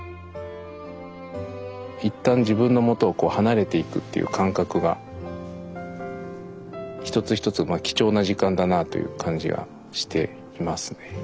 一旦自分の元を離れていくっていう感覚が一つ一つは貴重な時間だなあという感じがしていますね。